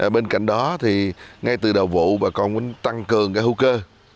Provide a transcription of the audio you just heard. bên cạnh đó ngay từ đầu vụ bà con tăng cường cái hưu cơ